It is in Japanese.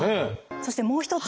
そしてもう一つ。